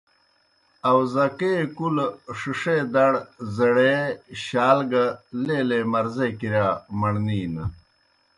آؤزکے کُلہ ݜِݜے دڑ، زیڑے، شال گہ لیلے مرضے کِرِیا مڑنِینَ۔